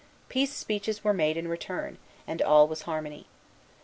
Peace speeches were made in return; and all was harmony.